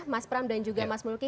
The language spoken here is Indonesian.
mas pram dan juga mas mulki